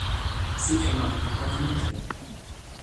sike ma li pona mute.